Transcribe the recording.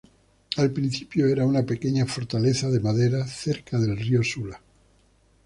Al principio era una pequeña fortaleza de madera cerca del rio Sula.